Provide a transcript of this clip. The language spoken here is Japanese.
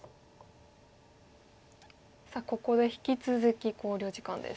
さあここで引き続き考慮時間です。